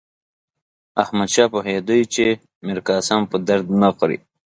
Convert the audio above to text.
احمدشاه پوهېدی چې میرقاسم په درد نه خوري.